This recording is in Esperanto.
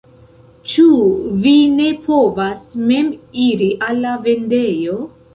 Ĉu vi ne povas mem iri al la vendejo?